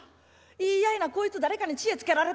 いいやいなこいつ誰かに知恵つけられとんねん。